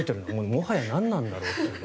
もはや、何なんだろう。